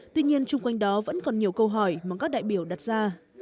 tuy nhiên chung quanh đó vẫn còn nhiều câu hỏi mà các đại biểu đặt ra